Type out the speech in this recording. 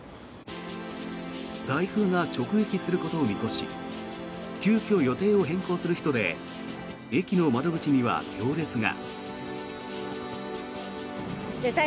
台風が直撃することを見越し急きょ予定を変更する人で駅の窓口には行列が。